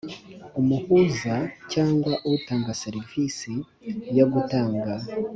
umuhuza cyangwa utanga serivisi yo gutanga